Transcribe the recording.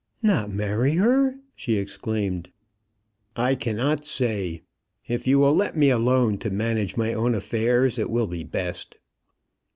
"Not marry her!" she exclaimed. "I cannot say. If you will let me alone to manage my own affairs, it will be best."